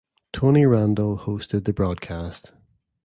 Tony Randall hosted the broadcast.